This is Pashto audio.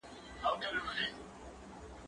که باران وسي، زه به پاته سم!